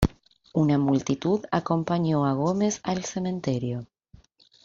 Una multitud acompañó a Gómez al cementerio.